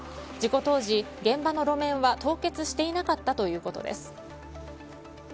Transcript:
事故当時、現場の路面は凍結していなかったということです。